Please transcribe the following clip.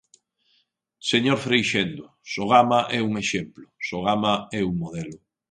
Señor Freixendo, Sogama é un exemplo, Sogama é un modelo.